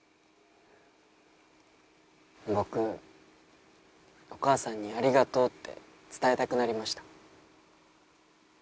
僕お母さんに「ありがとう」って伝えたくなりました。